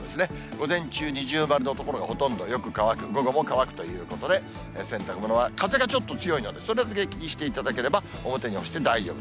午前中、二重丸の所がほとんど、よく乾く、午後も乾くということで、洗濯物は、風がちょっと強いので、それだけ気にしていただければ表に干して大丈夫。